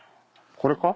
これか？